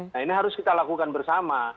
nah ini harus kita lakukan bersama